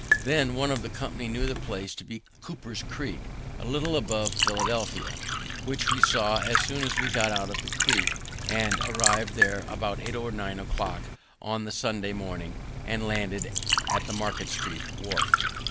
Then one of the company knew the place to be Cooper's Creek, a little above Philadelphia, which we saw as soon as we got out of the creek, and arriv'd there about eight or nine o'clock on the Sunday morning, and landed at the Market street wharf.